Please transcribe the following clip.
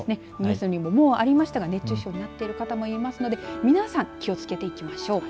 ニュースにもありましたが熱中症になってる方もいますので皆さん気をつけていきましょう。